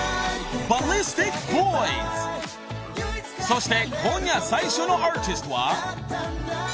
［そして今夜最初のアーティストは］